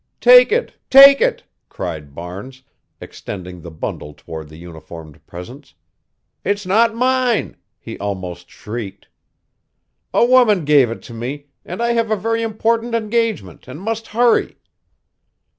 "Take it! take it!" cried Barnes, extending the bundle toward the uniformed presence. "It's not mine," he almost shrieked. "A woman gave it to me and I have a very important engagement and must hurry."